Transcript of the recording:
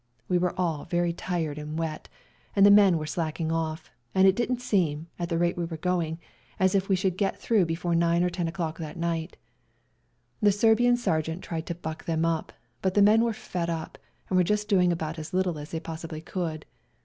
We were all very tired and wet, and the men were slacking off, and it didn't seem, at the rate we were going on, as if we should get through before 9 or 10 o'clock that night. The Serbian ser geant tried to buck them up, but the men were fed up and were just doing about as little as they possibly could.